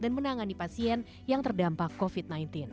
dan menangani pasien yang terdampak covid sembilan belas